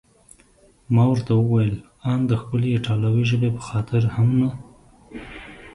ما ورته وویل: ان د ښکلې ایټالوي ژبې په خاطر هم نه؟